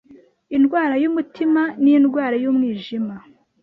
indwara y’umutima n’indwara y’umwijima,